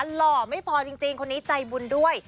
หล่อไม่พอจริงคนนี้ใจบุญด้วย